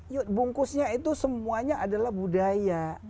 yuk bungkusnya itu semuanya adalah budaya